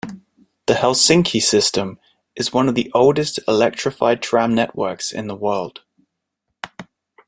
The Helsinki system is one of the oldest electrified tram networks in the world.